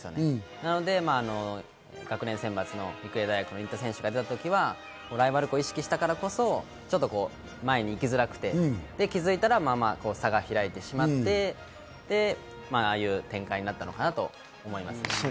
なので学連選抜の育英大学・新田選手が出たときはライバル校を意識したからこそ前に行きづらくて、気づいたら差が開いてしまって、ああいう展開になったのかなと思います。